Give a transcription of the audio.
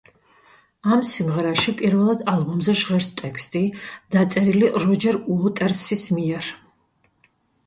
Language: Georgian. ამ სიმღერაში, პირველად ალბომზე ჟღერს ტექსტი, დაწერილი როჯერ უოტერსის მიერ.